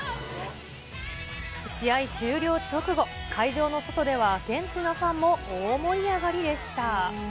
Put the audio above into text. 試合終了直後、会場の外では、現地のファンも大盛り上がりでした。